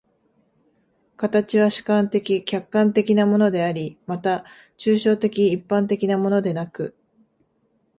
形は主観的・客観的なものであり、また抽象的一般的なものでなく、